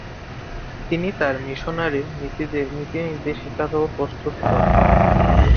তিনি তার মিশনারির নীতিনির্দেশিকাও প্রস্তুত করেন।